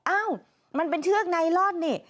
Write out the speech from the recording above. เอ้ามันเป็นเชือกไนลอนนี่